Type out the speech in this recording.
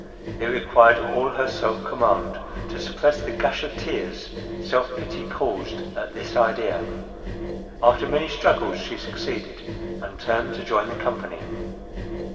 It required all her self command, to suppress the gush of tears self pity caused at this idea. After many struggles, she succeeded, and turned to join the company.